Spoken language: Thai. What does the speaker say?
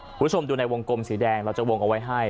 คุณผู้ชมดูในวงกลมสีแดงเราจะวงเอาไว้ให้